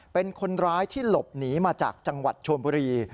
เป็นคนร้ายที่หลบหนีมาจากจังหวัดชวนบุรี